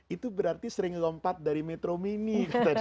itu berarti sering lompat dari metro mini katanya